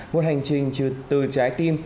một hành trình từ trái tim